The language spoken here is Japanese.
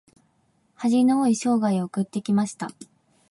恥の多い生涯を送ってきました。